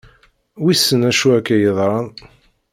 Wissen acu akka yeḍran.